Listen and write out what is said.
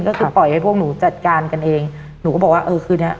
ก็คือปล่อยให้พวกหนูจัดการกันเองหนูก็บอกว่าเออคืนเนี้ย